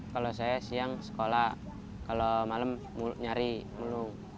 kalau saya siang sekolah kalau malam nyari mulu